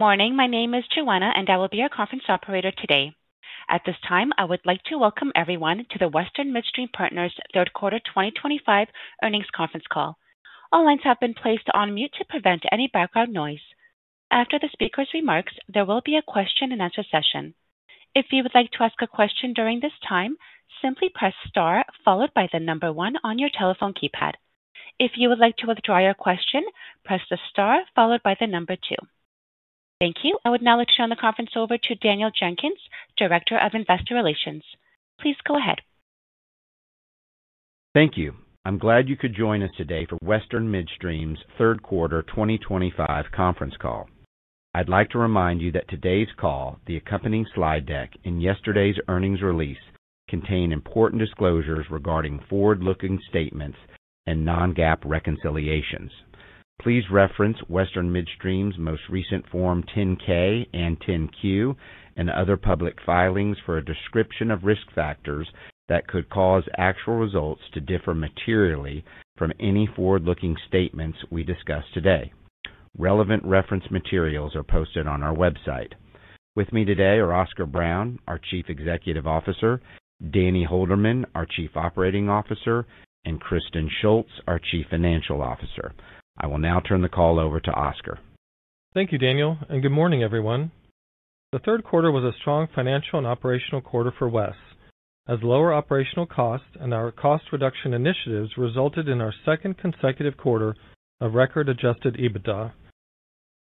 Good morning. My name is Joanna, and I will be your conference operator today. At this time, I would like to welcome everyone to the Western Midstream Partners third quarter 2025 earnings conference call. All lines have been placed on mute to prevent any background noise. After the speaker's remarks, there will be a question-and-answer session. If you would like to ask a question during this time, simply press star followed by the number one on your telephone keypad. If you would like to withdraw your question, press the star followed by the number two. Thank you. I would now like to turn the conference over to Daniel Jenkins, Director of Investor Relations. Please go ahead. Thank you. I'm glad you could join us today for Western Midstream's third quarter 2025 conference call. I'd like to remind you that today's call, the accompanying slide deck, and yesterday's earnings release contain important disclosures regarding forward-looking statements and non-GAAP reconciliations. Please reference Western Midstream's most recent Form 10-K and 10-Q and other public filings for a description of risk factors that could cause actual results to differ materially from any forward-looking statements we discuss today. Relevant reference materials are posted on our website. With me today are Oscar Brown, our Chief Executive Officer; Danny Holderman, our Chief Operating Officer; and Kristen Shults, our Chief Financial Officer. I will now turn the call over to Oscar. Thank you, Daniel, and good morning, everyone. The third quarter was a strong financial and operational quarter for WES, as lower operational costs and our cost reduction initiatives resulted in our second consecutive quarter of record-adjusted EBITDA.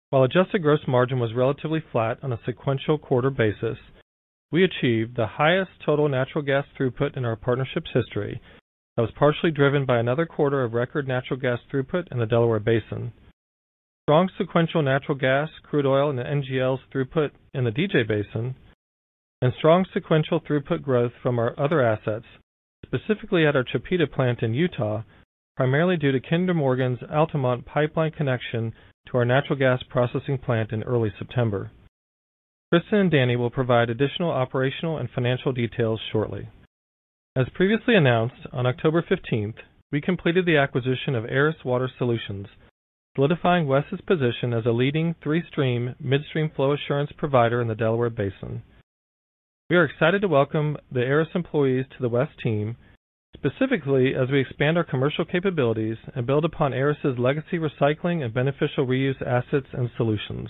While adjusted gross margin was relatively flat on a sequential quarter basis, we achieved the highest total natural gas throughput in our partnership's history. That was partially driven by another quarter of record natural gas throughput in the Delaware Basin, strong sequential natural gas, crude oil, and NGLs throughput in the DJ Basin, and strong sequential throughput growth from our other assets, specifically at our Chipeta plant in Utah, primarily due to Kinder Morgan's Altamont pipeline connection to our natural gas processing plant in early September. Kristen and Danny will provide additional operational and financial details shortly. As previously announced, on October 15th, we completed the acquisition of Aris Water Solutions, solidifying WES's position as a leading three-stream midstream flow assurance provider in the Delaware Basin. We are excited to welcome the Aris employees to the WES team, specifically as we expand our commercial capabilities and build upon Aris's legacy recycling and beneficial reuse assets and solutions.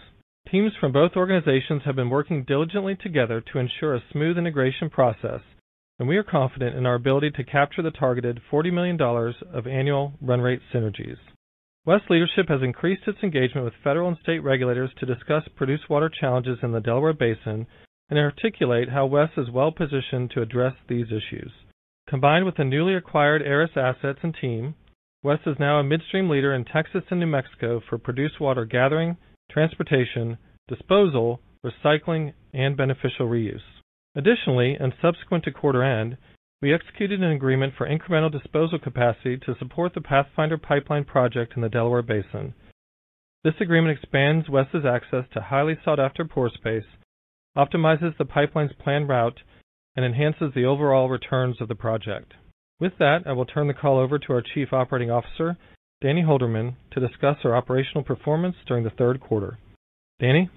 Teams from both organizations have been working diligently together to ensure a smooth integration process. We are confident in our ability to capture the targeted $40 million of annual run rate synergies. WES leadership has increased its engagement with federal and state regulators to discuss produced water challenges in the Delaware Basin and articulate how WES is well positioned to address these issues. Combined with the newly acquired Aris assets and team, WES is now a midstream leader in Texas and New Mexico for produced water gathering, transportation, disposal, recycling, and beneficial reuse. Additionally, and subsequent to quarter end, we executed an agreement for incremental disposal capacity to support the Pathfinder pipeline project in the Delaware Basin. This agreement expands WES's access to highly sought-after pore space, optimizes the pipeline's planned route, and enhances the overall returns of the project. With that, I will turn the call over to our Chief Operating Officer, Danny Holderman, to discuss our operational performance during the third quarter. Danny?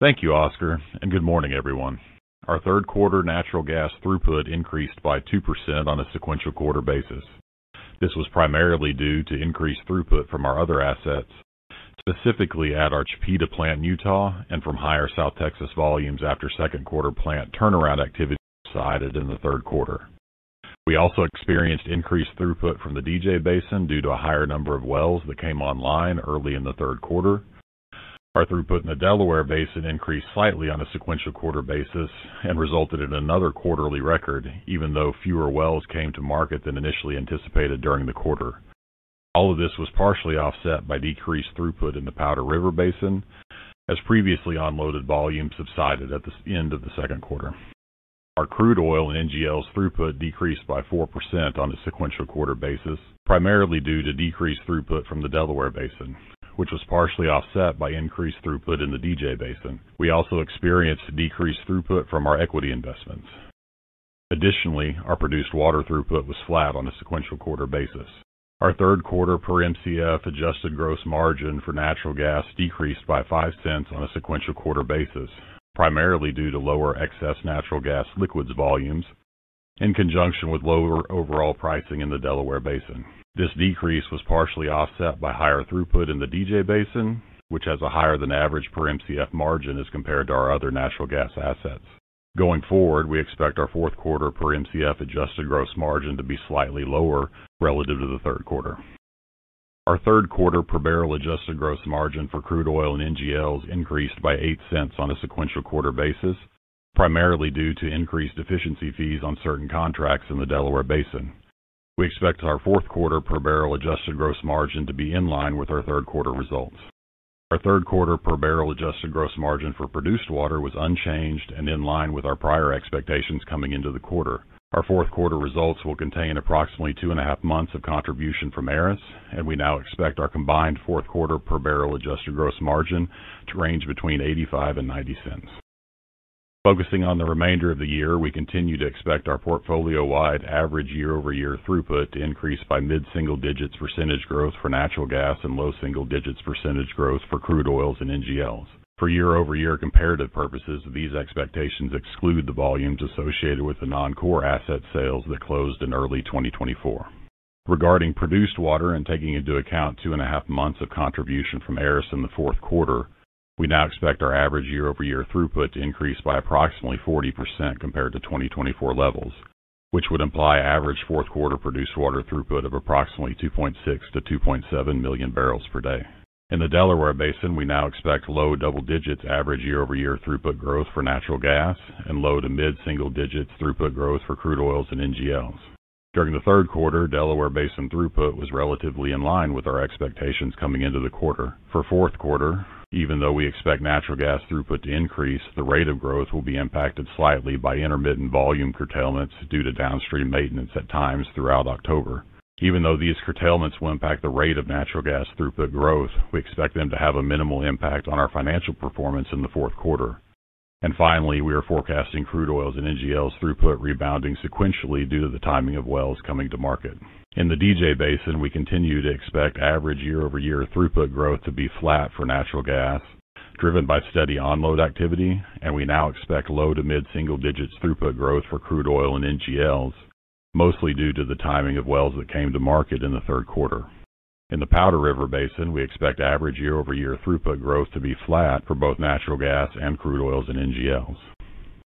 Thank you, Oscar, and good morning, everyone. Our third quarter natural gas throughput increased by 2% on a sequential quarter basis. This was primarily due to increased throughput from our other assets, specifically at our Chipeta plant in Utah and from higher South Texas volumes after second quarter plant turnaround activity subsided in the third quarter. We also experienced increased throughput from the DJ Basin due to a higher number of wells that came online early in the third quarter. Our throughput in the Delaware Basin increased slightly on a sequential quarter basis and resulted in another quarterly record, even though fewer wells came to market than initially anticipated during the quarter. All of this was partially offset by decreased throughput in the Powder River Basin, as previously unloaded volumes subsided at the end of the second quarter. Our crude oil and NGLs throughput decreased by 4% on a sequential quarter basis, primarily due to decreased throughput from the Delaware Basin, which was partially offset by increased throughput in the DJ Basin. We also experienced decreased throughput from our equity investments. Additionally, our produced water throughput was flat on a sequential quarter basis. Our third quarter per MCF adjusted gross margin for natural gas decreased by $0.05 on a sequential quarter basis, primarily due to lower excess natural gas liquids volumes in conjunction with lower overall pricing in the Delaware Basin. This decrease was partially offset by higher throughput in the DJ Basin, which has a higher than average per MCF margin as compared to our other natural gas assets. Going forward, we expect our fourth quarter per MCF adjusted gross margin to be slightly lower relative to the third quarter. Our third quarter per barrel adjusted gross margin for crude oil and NGLs increased by $0.08 on a sequential quarter basis, primarily due to increased efficiency fees on certain contracts in the Delaware Basin. We expect our fourth quarter per barrel adjusted gross margin to be in line with our third quarter results. Our third quarter per barrel adjusted gross margin for produced water was unchanged and in line with our prior expectations coming into the quarter. Our fourth quarter results will contain approximately two and a half months of contribution from Aris, and we now expect our combined fourth quarter per barrel adjusted gross margin to range between $0.85 and $0.90. Focusing on the remainder of the year, we continue to expect our portfolio-wide average year-over-year throughput to increase by mid-single digits percentage growth for natural gas and low single digits percentage growth for crude oil and NGLs. For year-over-year comparative purposes, these expectations exclude the volumes associated with the non-core asset sales that closed in early 2024. Regarding produced water and taking into account two and a half months of contribution from Aris in the fourth quarter, we now expect our average year-over-year throughput to increase by approximately 40% compared to 2024 levels, which would imply average fourth quarter produced water throughput of approximately 2.6 MMbpd-2.7 MMbpd. In the Delaware Basin, we now expect low double digits average year-over-year throughput growth for natural gas and low to mid-single digits throughput growth for crude oil and NGLs. During the third quarter, Delaware Basin throughput was relatively in line with our expectations coming into the quarter. For fourth quarter, even though we expect natural gas throughput to increase, the rate of growth will be impacted slightly by intermittent volume curtailments due to downstream maintenance at times throughout October. Even though these curtailments will impact the rate of natural gas throughput growth, we expect them to have a minimal impact on our financial performance in the fourth quarter. Finally, we are forecasting crude oil and NGLs throughput rebounding sequentially due to the timing of wells coming to market. In the DJ Basin, we continue to expect average year-over-year throughput growth to be flat for natural gas, driven by steady onload activity, and we now expect low to mid-single digits throughput growth for crude oil and NGLs, mostly due to the timing of wells that came to market in the third quarter. In the Powder River Basin, we expect average year-over-year throughput growth to be flat for both natural gas and crude oil and NGLs.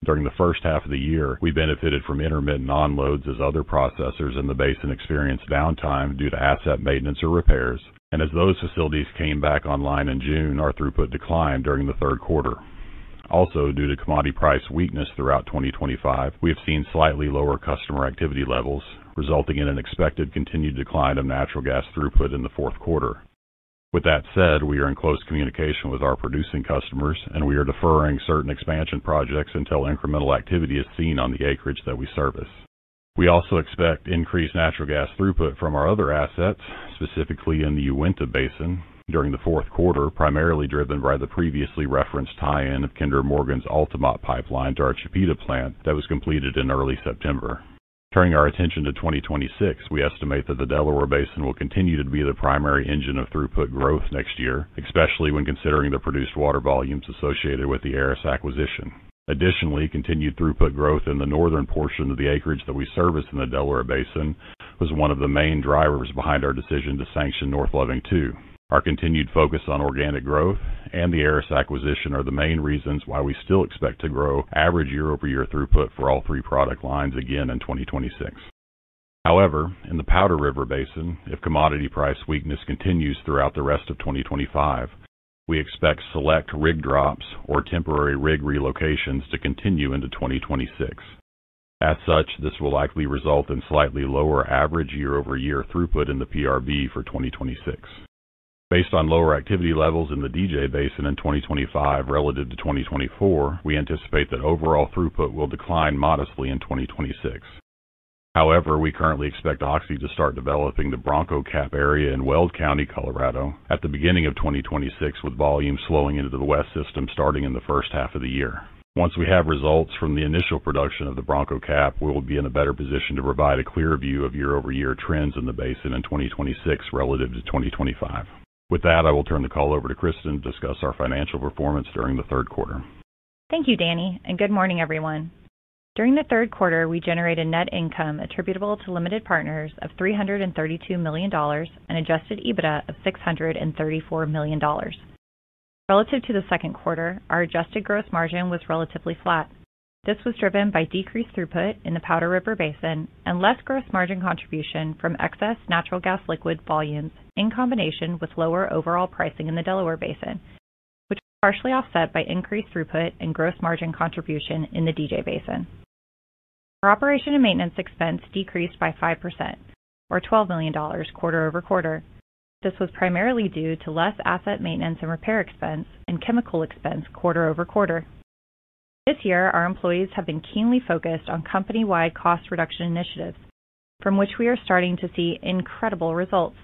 During the first half of the year, we benefited from intermittent onloads as other processors in the basin experienced downtime due to asset maintenance or repairs, and as those facilities came back online in June, our throughput declined during the third quarter. Also, due to commodity price weakness throughout 2025, we have seen slightly lower customer activity levels, resulting in an expected continued decline of natural gas throughput in the fourth quarter. With that said, we are in close communication with our producing customers, and we are deferring certain expansion projects until incremental activity is seen on the acreage that we service. We also expect increased natural gas throughput from our other assets, specifically in the Uinta Basin, during the fourth quarter, primarily driven by the previously referenced tie-in of Kinder Morgan's Altamont pipeline to our Chipeta plant that was completed in early September. Turning our attention to 2026, we estimate that the Delaware Basin will continue to be the primary engine of throughput growth next year, especially when considering the produced water volumes associated with the Aris acquisition. Additionally, continued throughput growth in the northern portion of the acreage that we service in the Delaware Basin was one of the main drivers behind our decision to sanction North Loving II. Our continued focus on organic growth and the Aris acquisition are the main reasons why we still expect to grow average year-over-year throughput for all three product lines again in 2026. However, in the Powder River Basin, if commodity price weakness continues throughout the rest of 2025, we expect select rig drops or temporary rig relocations to continue into 2026. As such, this will likely result in slightly lower average year-over-year throughput in the PRB for 2026. Based on lower activity levels in the DJ Basin in 2025 relative to 2024, we anticipate that overall throughput will decline modestly in 2026. However, we currently expect Oxy to start developing the Bronco CAP area in Weld County, Colorado, at the beginning of 2026, with volumes flowing into the WES system starting in the first half of the year. Once we have results from the initial production of the Bronco CAP, we will be in a better position to provide a clear view of year-over-year trends in the basin in 2026 relative to 2025. With that, I will turn the call over to Kristen to discuss our financial performance during the third quarter. Thank you, Danny, and good morning, everyone. During the third quarter, we generated net income attributable to limited partners of $332 million and adjusted EBITDA of $634 million. Relative to the second quarter, our adjusted gross margin was relatively flat. This was driven by decreased throughput in the Powder River Basin and less gross margin contribution from excess natural gas liquid volumes in combination with lower overall pricing in the Delaware Basin, which was partially offset by increased throughput and gross margin contribution in the DJ Basin. Our operation and maintenance expense decreased by 5%, or $12 million quarter-over-quarter. This was primarily due to less asset maintenance and repair expense and chemical expense quarter-over-quarter. This year, our employees have been keenly focused on company-wide cost reduction initiatives, from which we are starting to see incredible results.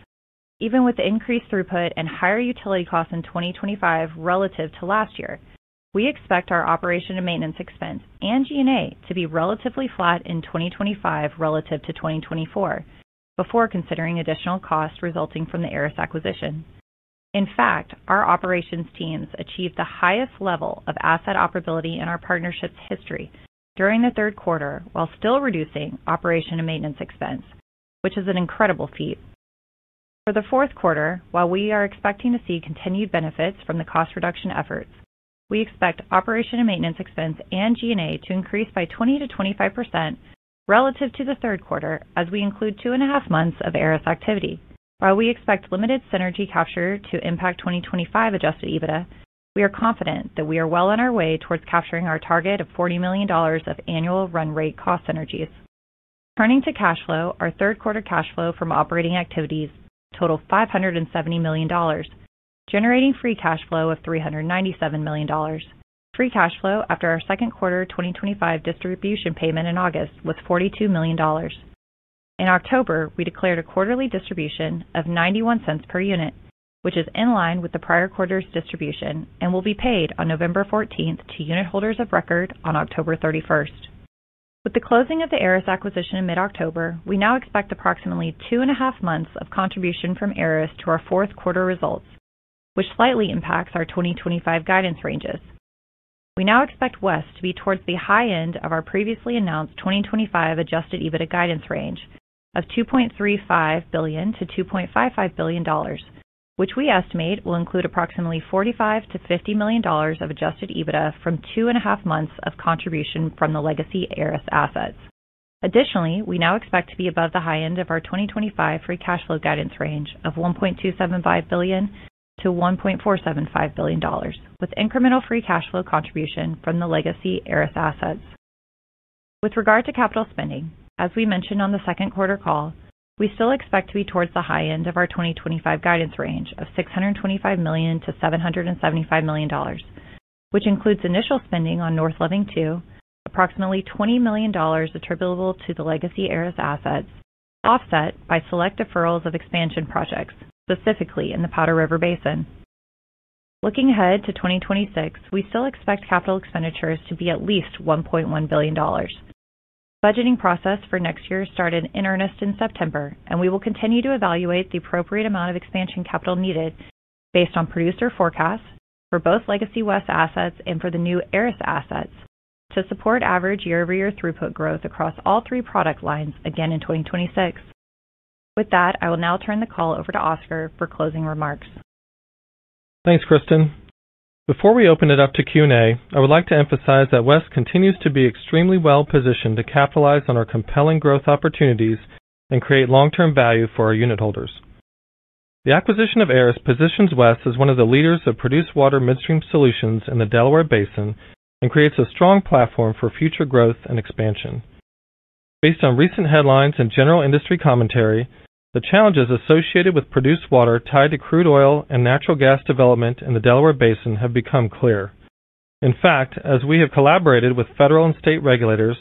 Even with increased throughput and higher utility costs in 2025 relative to last year, we expect our operation and maintenance expense and G&A to be relatively flat in 2025 relative to 2024 before considering additional costs resulting from the Aris acquisition. In fact, our operations teams achieved the highest level of asset operability in our partnership's history during the third quarter while still reducing operation and maintenance expense, which is an incredible feat. For the fourth quarter, while we are expecting to see continued benefits from the cost reduction efforts, we expect operation and maintenance expense and G&A to increase by 20%-25% relative to the third quarter as we include two and a half months of Aris activity. While we expect limited synergy capture to impact 2025 adjusted EBITDA, we are confident that we are well on our way towards capturing our target of $40 million of annual run rate cost synergies. Turning to cash flow, our third quarter cash flow from operating activities totaled $570 million, generating free cash flow of $397 million. Free cash flow after our second quarter 2025 distribution payment in August was $42 million. In October, we declared a quarterly distribution of $0.91 per unit, which is in line with the prior quarter's distribution and will be paid on November 14th to unit holders of record on October 31st. With the closing of the Aris acquisition in mid-October, we now expect approximately two and a half months of contribution from Aris to our fourth quarter results, which slightly impacts our 2025 guidance ranges. We now expect WES to be towards the high end of our previously announced 2025 adjusted EBITDA guidance range of $2.35 billion-$2.55 billion, which we estimate will include approximately $45 million-$50 million of adjusted EBITDA from two and a half months of contribution from the legacy Aris assets. Additionally, we now expect to be above the high end of our 2025 free cash flow guidance range of $1.275 billion-$1.475 billion, with incremental free cash flow contribution from the legacy Aris assets. With regard to capital spending, as we mentioned on the second quarter call, we still expect to be towards the high end of our 2025 guidance range of $625 million-$775 million, which includes initial spending on North Loving II, approximately $20 million attributable to the legacy Aris assets, offset by select deferrals of expansion projects, specifically in the Powder River Basin. Looking ahead to 2026, we still expect capital expenditures to be at least $1.1 billion. The budgeting process for next year started in earnest in September, and we will continue to evaluate the appropriate amount of expansion capital needed based on producer forecasts for both legacy WES assets and for the new Aris assets to support average year-over-year throughput growth across all three product lines again in 2026. With that, I will now turn the call over to Oscar for closing remarks. Thanks, Kristen. Before we open it up to Q&A, I would like to emphasize that WES continues to be extremely well positioned to capitalize on our compelling growth opportunities and create long-term value for our unit holders. The acquisition of Aris positions WES as one of the leaders of produced water midstream solutions in the Delaware Basin and creates a strong platform for future growth and expansion. Based on recent headlines and general industry commentary, the challenges associated with produced water tied to crude oil and natural gas development in the Delaware Basin have become clear. In fact, as we have collaborated with federal and state regulators,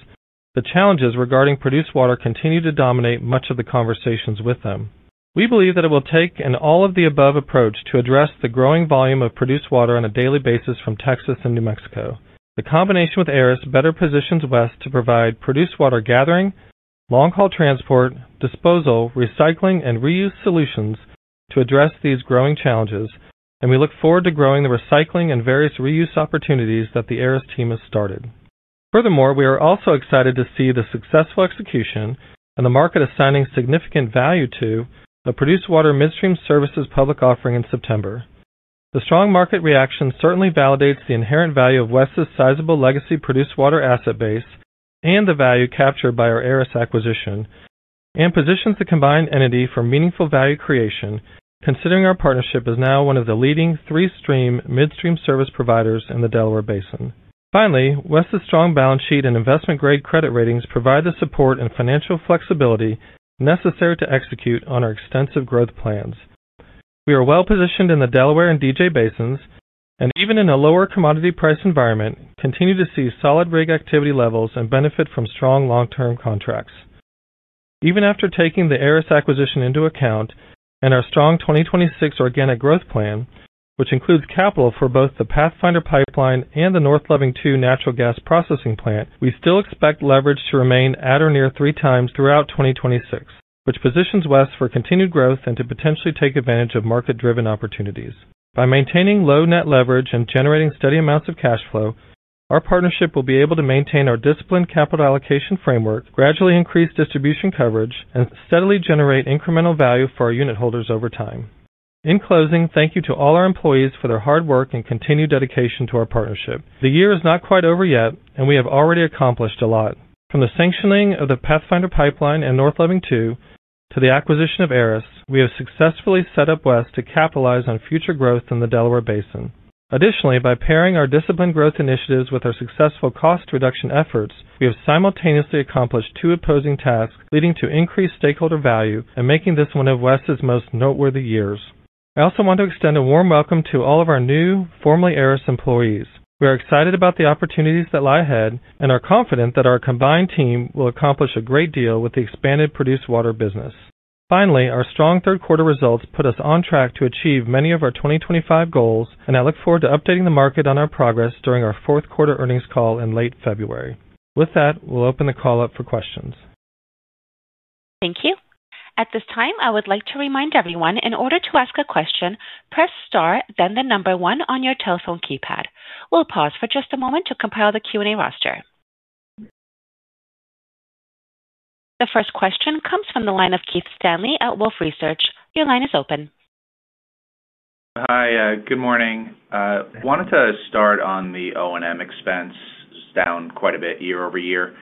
the challenges regarding produced water continue to dominate much of the conversations with them. We believe that it will take an all-of-the-above approach to address the growing volume of produced water on a daily basis from Texas and New Mexico. The combination with Aris better positions WES to provide produced water gathering, long-haul transport, disposal, recycling, and reuse solutions to address these growing challenges, and we look forward to growing the recycling and various reuse opportunities that the Aris team has started. Furthermore, we are also excited to see the successful execution and the market assigning significant value to the produced water midstream services public offering in September. The strong market reaction certainly validates the inherent value of WES's sizable legacy produced water asset base and the value captured by our Aris acquisition and positions the combined entity for meaningful value creation, considering our partnership is now one of the leading three-stream midstream service providers in the Delaware Basin. Finally, WES's strong balance sheet and investment-grade credit ratings provide the support and financial flexibility necessary to execute on our extensive growth plans. We are well positioned in the Delaware and DJ Basins, and even in a lower commodity price environment, continue to see solid rig activity levels and benefit from strong long-term contracts. Even after taking the Aris acquisition into account and our strong 2026 organic growth plan, which includes capital for both the Pathfinder pipeline and the North Loving II natural gas processing plant, we still expect leverage to remain at or near 3x throughout 2026, which positions WES for continued growth and to potentially take advantage of market-driven opportunities. By maintaining low net leverage and generating steady amounts of cash flow, our partnership will be able to maintain our disciplined capital allocation framework, gradually increase distribution coverage, and steadily generate incremental value for our unit holders over time. In closing, thank you to all our employees for their hard work and continued dedication to our partnership. The year is not quite over yet, and we have already accomplished a lot. From the sanctioning of the Pathfinder pipeline and North Loving II to the acquisition of Aris, we have successfully set up WES to capitalize on future growth in the Delaware Basin. Additionally, by pairing our disciplined growth initiatives with our successful cost reduction efforts, we have simultaneously accomplished two opposing tasks leading to increased stakeholder value and making this one of WES's most noteworthy years. I also want to extend a warm welcome to all of our new, formerly Aris employees. We are excited about the opportunities that lie ahead and are confident that our combined team will accomplish a great deal with the expanded produced water business. Finally, our strong third quarter results put us on track to achieve many of our 2025 goals, and I look forward to updating the market on our progress during our fourth quarter earnings call in late February. With that, we'll open the call up for questions. Thank you. At this time, I would like to remind everyone in order to ask a question, press star, then the number one on your telephone keypad. We'll pause for just a moment to compile the Q&A roster. The first question comes from the line of Keith Stanley at Wolfe Research. Your line is open. Hi, good morning. I wanted to start on the O&M expense. It's down quite a bit year-over-year.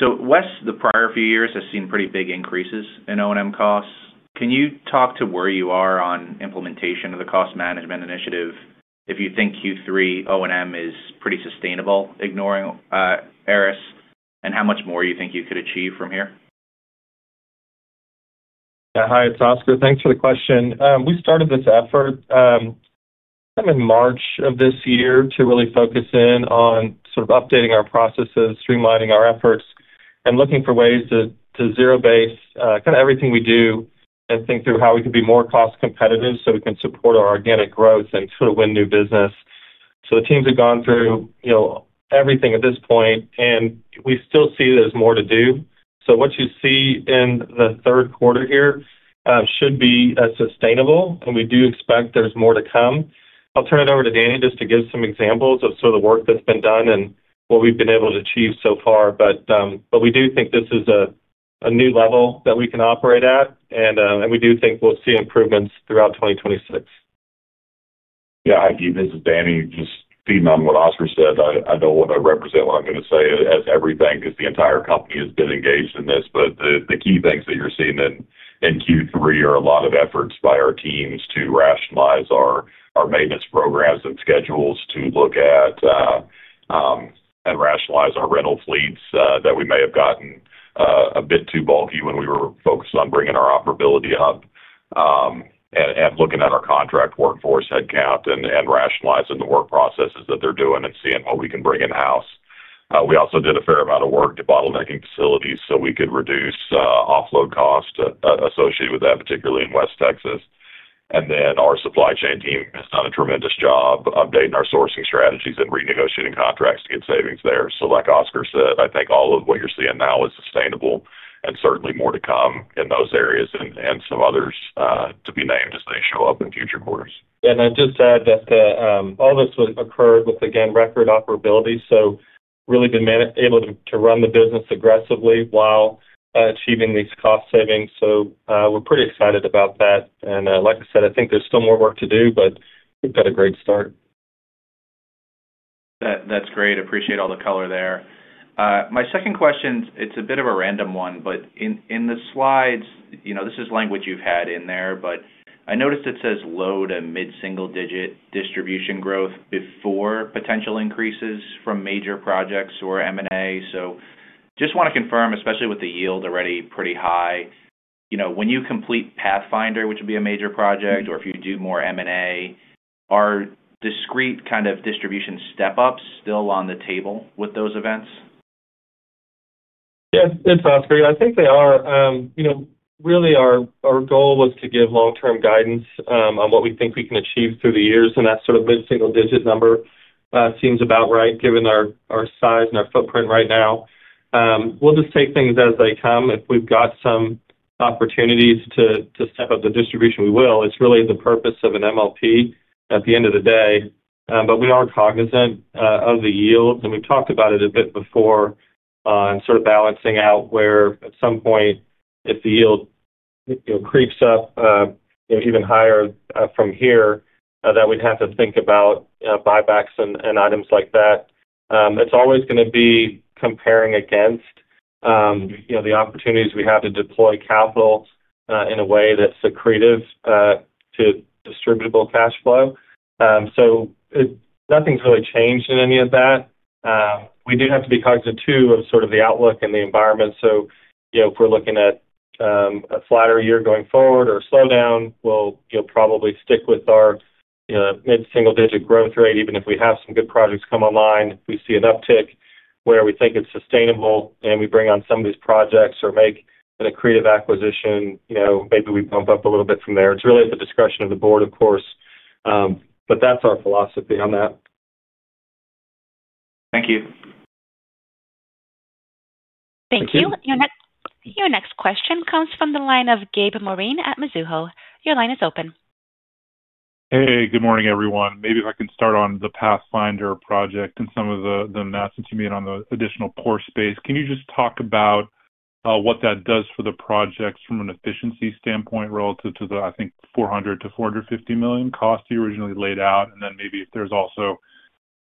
WES, the prior few years have seen pretty big increases in O&M costs. Can you talk to where you are on implementation of the cost management initiative if you think Q3 O&M is pretty sustainable, ignoring Aris, and how much more you think you could achieve from here? Yeah, hi, it's Oscar. Thanks for the question. We started this effort kind of in March of this year to really focus in on sort of updating our processes, streamlining our efforts, and looking for ways to zero-base kind of everything we do, and think through how we could be more cost competitive so we can support our organic growth and sort of win new business. The teams have gone through everything at this point, and we still see there's more to do. What you see in the third quarter here should be sustainable, and we do expect there's more to come. I'll turn it over to Danny just to give some examples of sort of the work that's been done and what we've been able to achieve so far, but we do think this is a new level that we can operate at, and we do think we'll see improvements throughout 2026. Yeah, hi, Keith. This is Danny. Just feeding on what Oscar said. I know what I represent, what I'm going to say, as everything because the entire company has been engaged in this. The key things that you're seeing in Q3 are a lot of efforts by our teams to rationalize our maintenance programs and schedules to look at and rationalize our rental fleets that we may have gotten a bit too bulky when we were focused on bringing our operability up. Looking at our contract workforce headcount and rationalizing the work processes that they're doing and seeing what we can bring in-house. We also did a fair amount of work to bottlenecking facilities so we could reduce offload costs associated with that, particularly in West Texas. Our supply chain team has done a tremendous job updating our sourcing strategies and renegotiating contracts to get savings there. Like Oscar said, I think all of what you're seeing now is sustainable and certainly more to come in those areas and some others to be named as they show up in future quarters. Yeah, and I'd just add that all this occurred with, again, record operability. Really been able to run the business aggressively while achieving these cost savings. We're pretty excited about that. Like I said, I think there's still more work to do, but we've got a great start. That's great. Appreciate all the color there. My second question, it's a bit of a random one, but in the slides, this is language you've had in there, but I noticed it says low to mid-single-digit distribution growth before potential increases from major projects or M&A. Just want to confirm, especially with the yield already pretty high. When you complete Pathfinder, which would be a major project, or if you do more M&A. Are discrete kind of distribution step-ups still on the table with those events? Yeah, it's Oscar. I think they are. Really, our goal was to give long-term guidance on what we think we can achieve through the years, and that sort of mid-single-digit number seems about right given our size and our footprint right now. We'll just take things as they come. If we've got some opportunities to step up the distribution, we will. It's really the purpose of an MLP at the end of the day, but we are cognizant of the yield, and we've talked about it a bit before. Sort of balancing out where at some point, if the yield creeps up even higher from here, that we'd have to think about buybacks and items like that. It's always going to be comparing against the opportunities we have to deploy capital in a way that's accretive to distributable cash flow. Nothing's really changed in any of that. We do have to be cognizant too of sort of the outlook and the environment. If we're looking at a flatter year going forward or a slowdown, we'll probably stick with our mid-single-digit growth rate, even if we have some good projects come online. If we see an uptick where we think it's sustainable and we bring on some of these projects or make an accretive acquisition, maybe we bump up a little bit from there. It's really at the discretion of the board, of course. That's our philosophy on that. Thank you. Thank you. Your next question comes from the line of Gabe Moreen at Mizuho. Your line is open. Hey, good morning, everyone. Maybe if I can start on the Pathfinder project and some of the message you made on the additional pore space, can you just talk about what that does for the projects from an efficiency standpoint relative to the, I think, $400 million-$450 million cost you originally laid out, and then maybe if there's also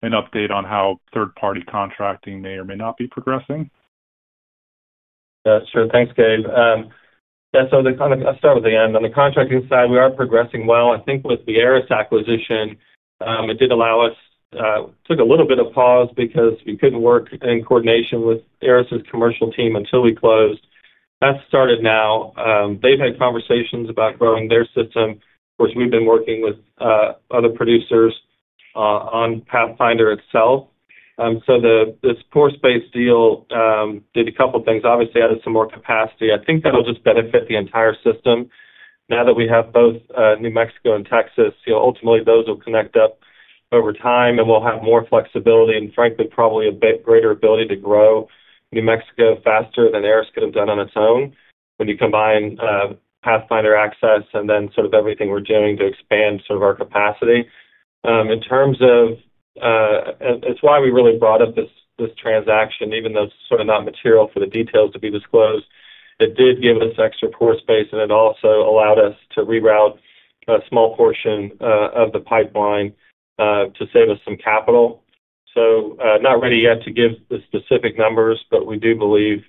an update on how third-party contracting may or may not be progressing? Sure. Thanks, Gabe. Yeah, so I'll start with the end. On the contracting side, we are progressing well. I think with the Aris acquisition, it did allow us—took a little bit of pause because we could not work in coordination with Aris's commercial team until we closed. That has started now. They have had conversations about growing their system. Of course, we have been working with other producers. On Pathfinder itself, this pore space deal did a couple of things. Obviously, added some more capacity. I think that will just benefit the entire system. Now that we have both New Mexico and Texas, ultimately, those will connect up over time, and we will have more flexibility and, frankly, probably a greater ability to grow New Mexico faster than Aris could have done on its own when you combine Pathfinder access and then sort of everything we are doing to expand sort of our capacity. In terms of, it's why we really brought up this transaction, even though it's sort of not material for the details to be disclosed. It did give us extra pore space, and it also allowed us to reroute a small portion of the pipeline to save us some capital. Not ready yet to give the specific numbers, but we do believe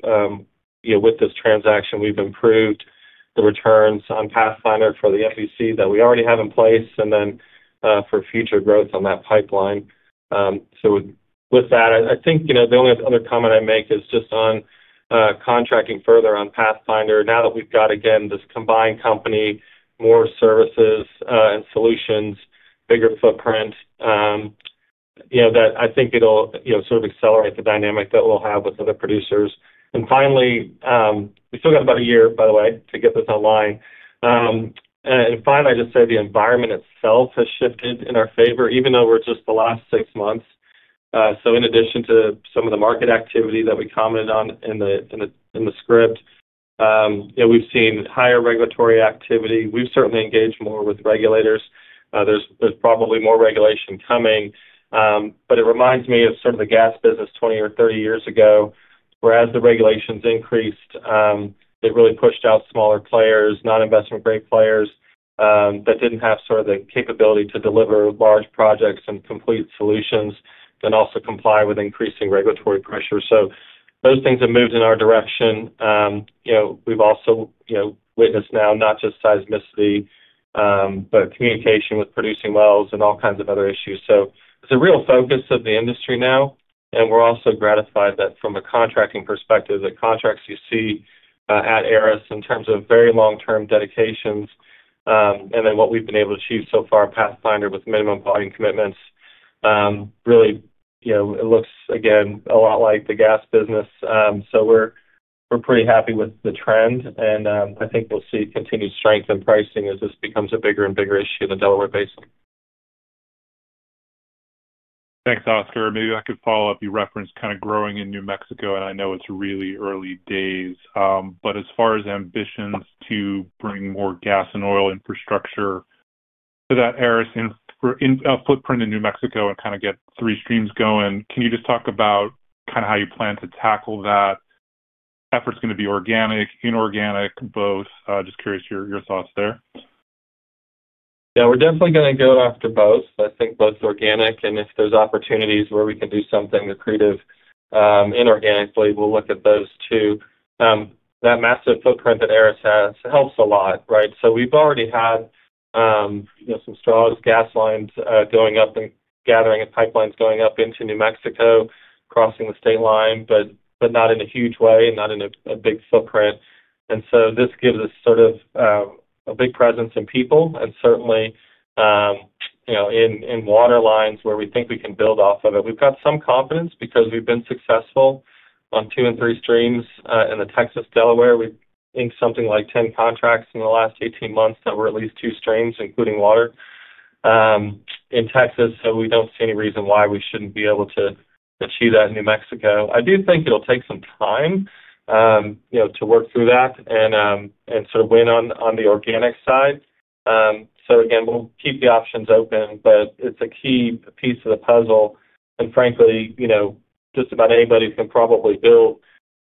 with this transaction, we've improved the returns on Pathfinder for the FERC that we already have in place and then for future growth on that pipeline. With that, I think the only other comment I make is just on contracting further on Pathfinder. Now that we've got, again, this combined company, more services and solutions, bigger footprint, I think it'll sort of accelerate the dynamic that we'll have with other producers. Finally, we still got about a year, by the way, to get this online. Finally, I just say the environment itself has shifted in our favor, even though we're just the last six months. In addition to some of the market activity that we commented on in the script, we've seen higher regulatory activity. We've certainly engaged more with regulators. There's probably more regulation coming. It reminds me of sort of the gas business 20 or 30 years ago, whereas the regulations increased, it really pushed out smaller players, non-investment-grade players that didn't have sort of the capability to deliver large projects and complete solutions, then also comply with increasing regulatory pressure. Those things have moved in our direction. We've also witnessed now not just seismicity, but communication with producing wells and all kinds of other issues. It is a real focus of the industry now, and we are also gratified that from a contracting perspective, the contracts you see at Aris in terms of very long-term dedications. And then what we have been able to achieve so far at Pathfinder with minimum volume commitments, really, it looks, again, a lot like the gas business. We are pretty happy with the trend, and I think we will see continued strength in pricing as this becomes a bigger and bigger issue in the Delaware Basin. Thanks, Oscar. Maybe I could follow up. You referenced kind of growing in New Mexico, and I know it's really early days. As far as ambitions to bring more gas and oil infrastructure to that Aris footprint in New Mexico and kind of get three streams going, can you just talk about kind of how you plan to tackle that? Effort's going to be organic, inorganic, both. Just curious your thoughts there. Yeah, we're definitely going to go after both. I think both organic, and if there's opportunities where we can do something accretive inorganically, we'll look at those too. That massive footprint that Aris has helps a lot, right? We've already had some straws, gas lines going up and gathering and pipelines going up into New Mexico, crossing the state line, but not in a huge way, not in a big footprint. This gives us sort of a big presence in people and certainly in water lines where we think we can build off of it. We've got some confidence because we've been successful on two and three streams in the Texas-Delaware. We've inked something like 10 contracts in the last 18 months that were at least two streams, including water. In Texas, we do not see any reason why we should not be able to achieve that in New Mexico. I do think it will take some time to work through that and sort of win on the organic side. Again, we will keep the options open, but it is a key piece of the puzzle. Frankly, just about anybody can probably build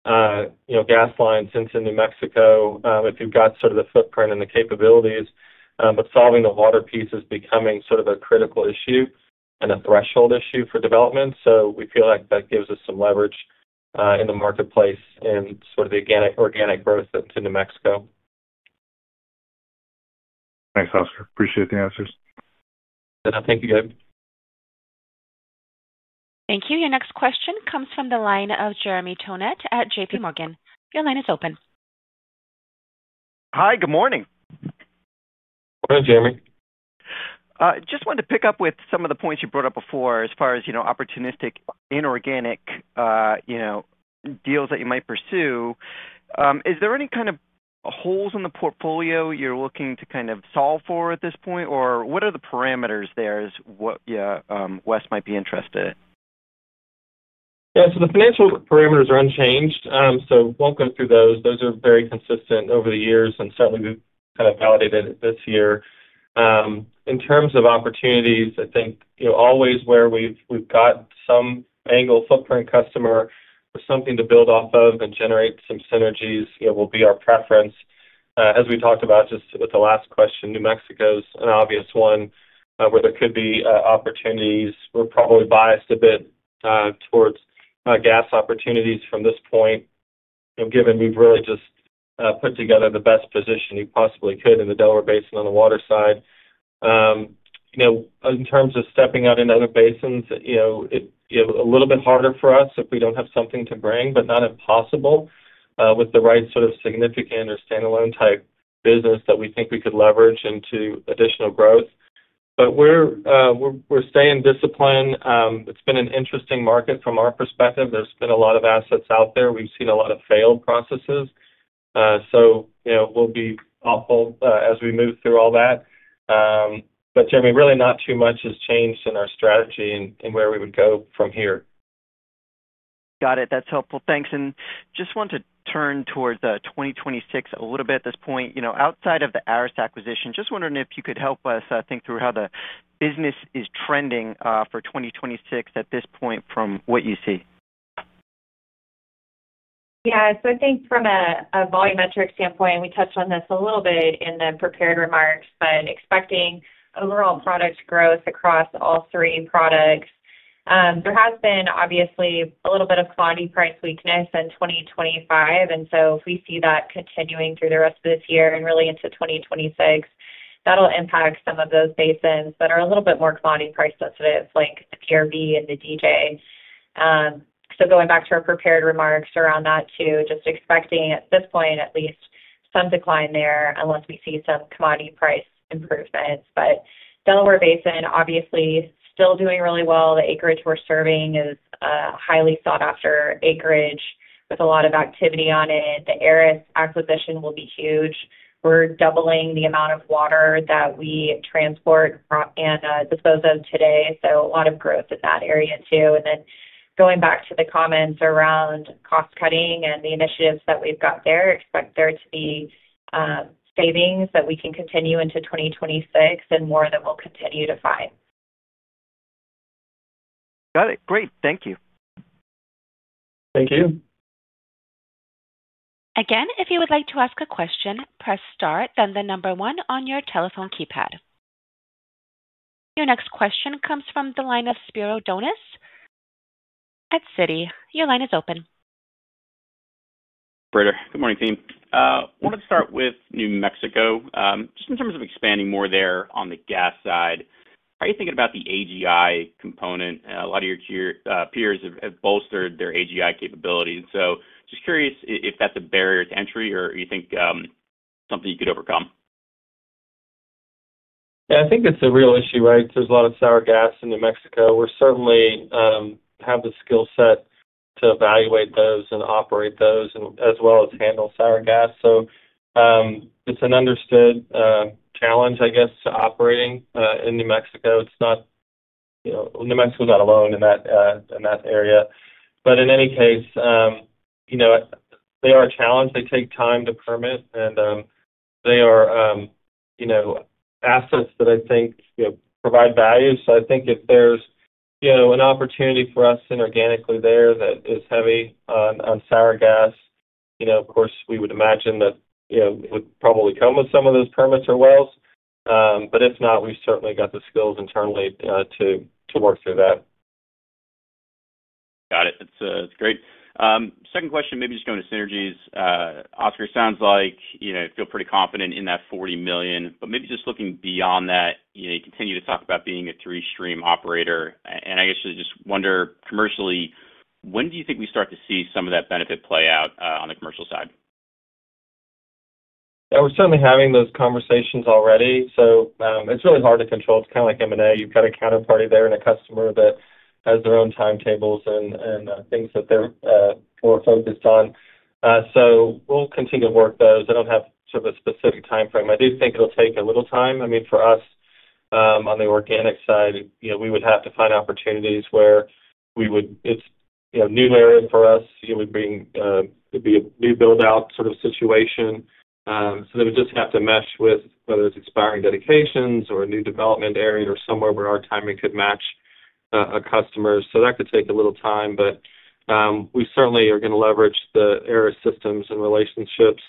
gas lines into New Mexico if you have got sort of the footprint and the capabilities. Solving the water piece is becoming sort of a critical issue and a threshold issue for development. We feel like that gives us some leverage in the marketplace and sort of the organic growth into New Mexico. Thanks, Oscar. Appreciate the answers. Thank you, Gabe. Thank you. Your next question comes from the line of Jeremy Tonet at JPMorgan. Your line is open. Hi, good morning. Morning, Jeremy. Just wanted to pick up with some of the points you brought up before as far as opportunistic inorganic deals that you might pursue. Is there any kind of holes in the portfolio you're looking to kind of solve for at this point, or what are the parameters there as what WES might be interested in? Yeah, so the financial parameters are unchanged. We will not go through those. Those are very consistent over the years, and certainly we have kind of validated it this year. In terms of opportunities, I think always where we have got some angle footprint customer or something to build off of and generate some synergies will be our preference. As we talked about just with the last question, New Mexico is an obvious one where there could be opportunities. We are probably biased a bit towards gas opportunities from this point. Given we have really just put together the best position you possibly could in the Delaware Basin on the water side. In terms of stepping out in other basins. It's a little bit harder for us if we don't have something to bring, but not impossible with the right sort of significant or standalone type business that we think we could leverage into additional growth. We're staying disciplined. It's been an interesting market from our perspective. There's been a lot of assets out there. We've seen a lot of failed processes. We'll be thoughtful as we move through all that. Jeremy, really not too much has changed in our strategy and where we would go from here. Got it. That's helpful. Thanks. I just want to turn towards 2026 a little bit at this point. Outside of the Aris acquisition, just wondering if you could help us think through how the business is trending for 2026 at this point from what you see. Yeah. So I think from a volume metric standpoint, we touched on this a little bit in the prepared remarks, but expecting overall product growth across all three products. There has been obviously a little bit of commodity price weakness in 2025, and if we see that continuing through the rest of this year and really into 2026, that'll impact some of those basins that are a little bit more commodity price sensitive, like the PRB and the DJ. Going back to our prepared remarks around that too, just expecting at this point, at least some decline there unless we see some commodity price improvements. Delaware Basin, obviously, still doing really well. The acreage we're serving is a highly sought-after acreage with a lot of activity on it. The Aris acquisition will be huge. We're doubling the amount of water that we transport and dispose of today. A lot of growth in that area too. Going back to the comments around cost-cutting and the initiatives that we've got there, expect there to be savings that we can continue into 2026 and more that we'll continue to find. Got it. Great. Thank you. Thank you. Again, if you would like to ask a question, press star, then the number one on your telephone keypad. Your next question comes from the line of Spiro Dounis at Citi. Your line is open. Good morning, team. Wanted to start with New Mexico. Just in terms of expanding more there on the gas side, how are you thinking about the AGI component? A lot of your peers have bolstered their AGI capabilities. Just curious if that's a barrier to entry or you think something you could overcome. Yeah, I think it's a real issue, right? There's a lot of sour gas in New Mexico. We certainly have the skill set to evaluate those and operate those as well as handle sour gas. It's an understood challenge, I guess, to operating in New Mexico. New Mexico's not alone in that area. In any case, they are a challenge. They take time to permit, and they are assets that I think provide value. I think if there's an opportunity for us inorganically there that is heavy on sour gas, of course, we would imagine that it would probably come with some of those permits or wells. If not, we've certainly got the skills internally to work through that. Got it. That's great. Second question, maybe just going to synergies. Oscar, it sounds like you feel pretty confident in that $40 million, but maybe just looking beyond that, you continue to talk about being a three-stream operator. I guess I just wonder commercially, when do you think we start to see some of that benefit play out on the commercial side? Yeah, we're certainly having those conversations already. It is really hard to control. It is kind of like M&A. You have got a counterparty there and a customer that has their own timetables and things that they are more focused on. We will continue to work those. I do not have sort of a specific timeframe. I do think it will take a little time. I mean, for us, on the organic side, we would have to find opportunities where we would—it is a new area for us. It would be a new build-out sort of situation. They would just have to mesh with whether it is expiring dedications or a new development area or somewhere where our timing could match a customer. That could take a little time, but we certainly are going to leverage the Aris systems and relationships.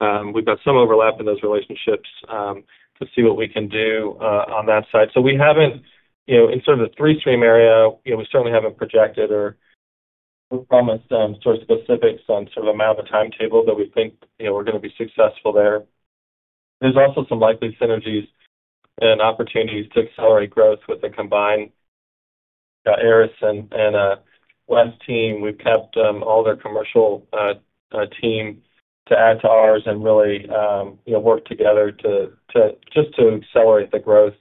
We've got some overlap in those relationships to see what we can do on that side. We haven't—in sort of the three-stream area, we certainly haven't projected or promised specifics on the amount or the timetable, but we think we're going to be successful there. There's also some likely synergies and opportunities to accelerate growth with the combined Aris and WES team. We've kept all their commercial team to add to ours and really work together just to accelerate the growth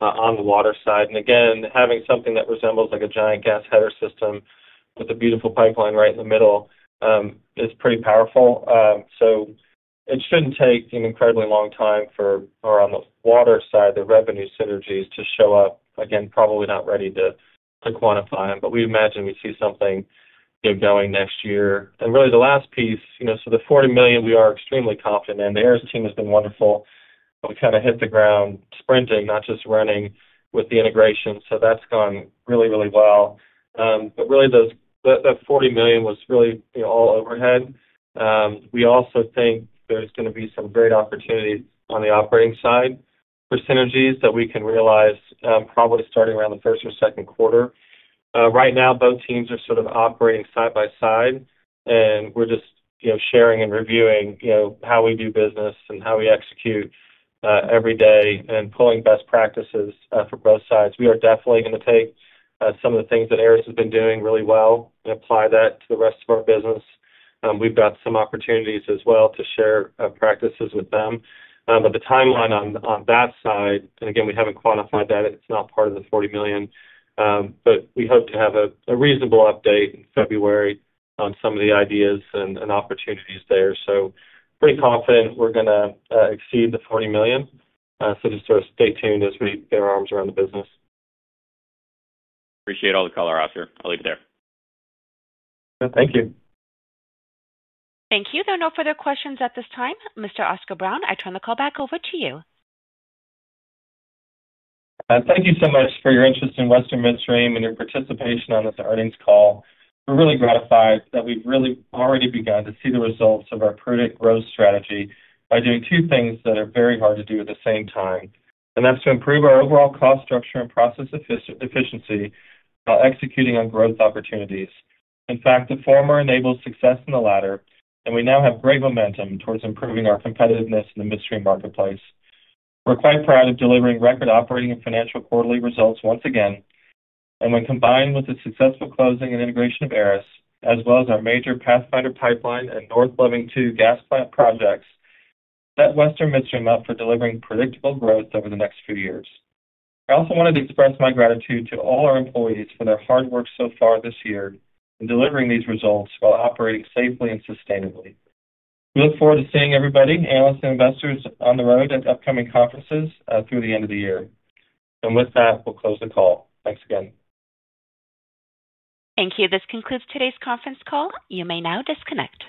on the water side. Again, having something that resembles a giant gas header system with a beautiful pipeline right in the middle is pretty powerful. It shouldn't take an incredibly long time for, around the water side, the revenue synergies to show up. Again, probably not ready to quantify them, but we imagine we see something going next year. Really, the last piece, so the $40 million, we are extremely confident in. The Aris team has been wonderful. We kind of hit the ground sprinting, not just running with the integration. That has gone really, really well. That $40 million was really all overhead. We also think there are going to be some great opportunities on the operating side for synergies that we can realize probably starting around the first or second quarter. Right now, both teams are sort of operating side by side, and we are just sharing and reviewing how we do business and how we execute every day and pulling best practices for both sides. We are definitely going to take some of the things that Aris has been doing really well and apply that to the rest of our business. We have got some opportunities as well to share practices with them. The timeline on that side, and again, we have not quantified that. It is not part of the $40 million. We hope to have a reasonable update in February on some of the ideas and opportunities there. Pretty confident we are going to exceed the $40 million. Just sort of stay tuned as we get our arms around the business. Appreciate all the color, Oscar. I'll leave it there. Thank you. Thank you. There are no further questions at this time. Mr. Oscar Brown, I turn the call back over to you. Thank you so much for your interest in Western Midstream and your participation on this earnings call. We are really gratified that we have already begun to see the results of our prudent growth strategy by doing two things that are very hard to do at the same time. That is to improve our overall cost structure and process efficiency while executing on growth opportunities. In fact, the former enables success in the latter, and we now have great momentum towards improving our competitiveness in the midstream marketplace. We are quite proud of delivering record operating and financial quarterly results once again. When combined with the successful closing and integration of Aris, as well as our major Pathfinder pipeline and North Loving II gas plant projects, that sets Western Midstream up for delivering predictable growth over the next few years. I also wanted to express my gratitude to all our employees for their hard work so far this year in delivering these results while operating safely and sustainably. We look forward to seeing everybody, analysts, and investors on the road at upcoming conferences through the end of the year. With that, we'll close the call. Thanks again. Thank you. This concludes today's conference call. You may now disconnect.